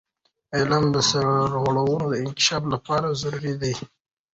د علم سرغړونه د انکشاف لپاره ضروري ده.